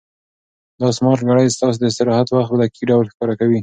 دا سمارټ ګړۍ ستاسو د استراحت وخت په دقیق ډول ښکاره کوي.